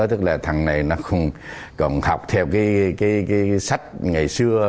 tức là thằng này nó còn học theo cái sách ngày xưa